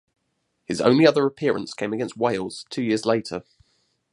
His only other appearance came against Wales two years later.